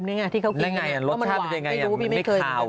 ไอ้หมี่กรอบสีขาวนี่